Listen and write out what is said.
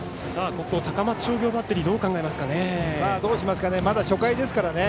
高松商業バッテリーどう考えますかね。